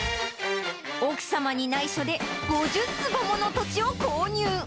奥様にないしょで、５０坪もの土地を購入。